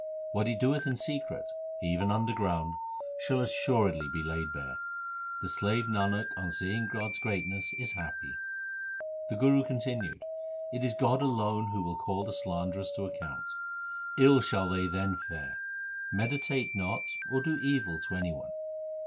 What he doeth in secret, even underground, shall assuredly be laid bare. The slave Nanak on seeing God's greatness is happy. 2 The Guru continued, ' It is God alone who will call the slanderers to account. Ill shall they then fare. Meditate not or do evil to any one.'